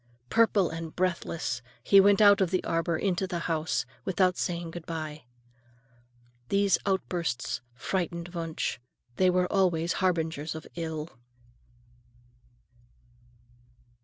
Purple and breathless he went out of the arbor and into the house, without saying good bye. These outbursts frightened Wunsch. They were always harbingers of ill.